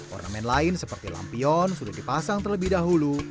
ornamen lain seperti lampion sudah dipasang terlebih dahulu